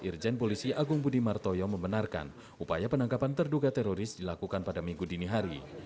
irjen polisi agung budi martoyo membenarkan upaya penangkapan terduga teroris dilakukan pada minggu dini hari